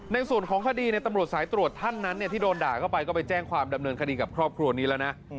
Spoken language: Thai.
ในส่วนของคดีตำรวจสายตรวจท่านนั้นที่โดนด่าเข้าไปก็ไปแจ้งความดำเนินคดีกับครอบครัวนี้แล้วนะ